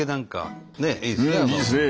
いいですね